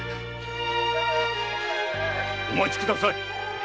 お待ちください！